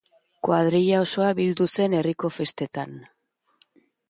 Koadrila osoa bildu zen herriko festetan